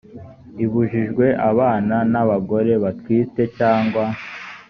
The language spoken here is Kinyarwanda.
ibujijwe abana n abagore batwite cyangwa